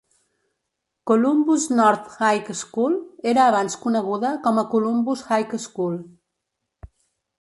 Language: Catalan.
Columbus North High School era abans coneguda com a Columbus High School.